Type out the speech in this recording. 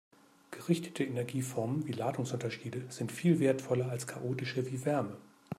Gerichtete Energieformen wie Ladungsunterschiede sind viel wertvoller als chaotische wie Wärme.